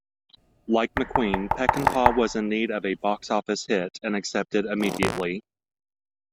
Like McQueen, Peckinpah was in need of a box office hit and accepted immediately.